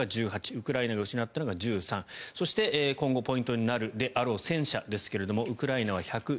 ウクライナが失ったのが１３そして今後ポイントになるであろう戦車ですがウクライナは１０７両